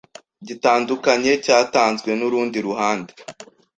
gitandukanye cyatanzwe n urundi ruhande